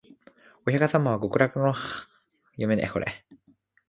御釈迦様は極楽の蓮池のふちを、独りでぶらぶら御歩きになっていらっしゃいました